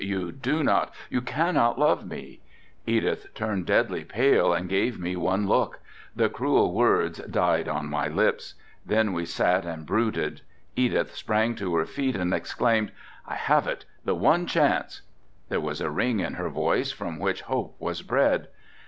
"You do not, you cannot love me." Edith turned deadly pale and gave me one look. The cruel words died on my lips. Then we sat and brooded. Edith sprang to her feet and exclaimed, "I have it, the one chance." There was a ring in her voice from which hope was bred.